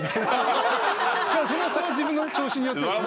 それは自分の調子によってですよ。